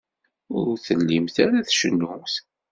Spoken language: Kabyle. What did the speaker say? Ur tellimt ara tcennumt.